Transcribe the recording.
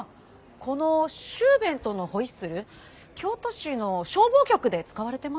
このシューベントのホイッスル京都市の消防局で使われてましたよ。